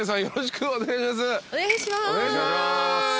よろしくお願いします。